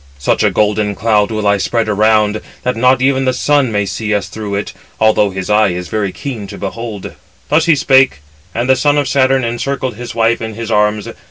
Such a golden cloud will I spread around, that not even the Sun may see us through it, although his eye is very keen to behold." 478 Thus he spake, and the son of Saturn encircled his wife in his arms.